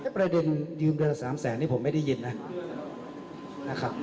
ประเด็นยืมเดือนละ๓แสนนี่ผมไม่ได้ยินนะครับ